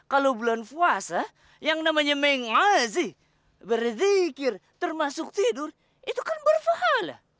kalau bulan puasa yang namanya mengazi berzikir termasuk tidur itu kan berfahala